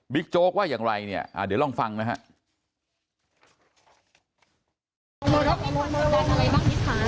บิ๊กโจ๊กว่าอย่างไรเดี๋ยวลองฟังนะครับ